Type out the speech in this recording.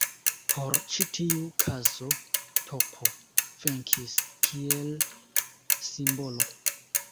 Por ĉi tiu kazo tP venkis kiel simbolo.